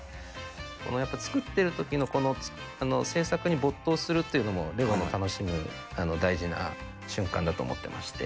やっぱ作ってるときの制作に没頭するっていうのも、レゴを楽しむ大事な瞬間だと思ってまして。